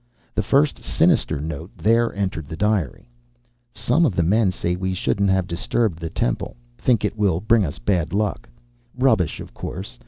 The first sinister note there entered the diary: "Some of the men say we shouldn't have disturbed the temple. Think it will bring us bad luck. Rubbish, of course.